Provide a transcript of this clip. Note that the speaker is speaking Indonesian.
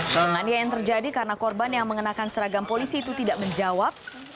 kelengannya yang terjadi karena korban yang mengenakan seragam polisi itu tidak menjawab